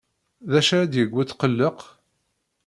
D acu ara d-yeg wetqelleq?